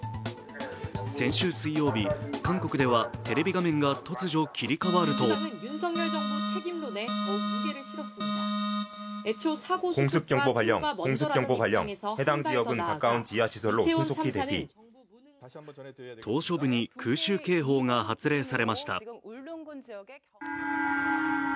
先週水曜日、韓国ではテレビ画面が突如切り替わると島しょ部に空襲警報が発令されました。